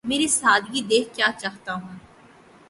مری سادگی دیکھ کیا چاہتا ہوں